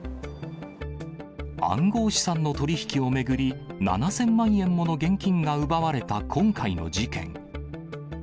暗号資産の取り引きを巡り、７０００万円もの現金が奪われた今回の事件。